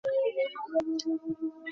তুমি নিশ্চয়ই আমার সাথে রসিকতা করছ!